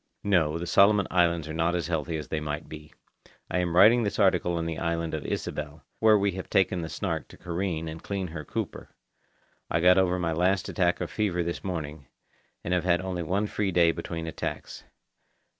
(No, the Solomon Islands are not as healthy as they might be. I am writing this article on the island of Ysabel, where we have taken the Snark to careen and clean her cooper. I got over my last attack of fever this morning, and I have had only one free day between attacks.